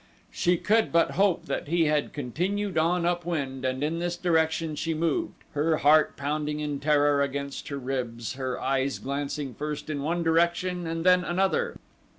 She could but hope that he had continued on up wind and in this direction she moved, her heart pounding in terror against her ribs, her eyes glancing first in one direction and then another.